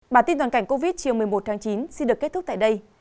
bản tin toàn cảnh covid một mươi chín chiều một mươi một chín xin được kết thúc tại đây